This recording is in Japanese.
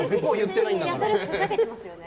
それはふざけてますよね。